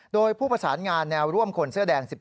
โดยผู้ประสานงานแนวร่วมคนเสื้อแดง๑๘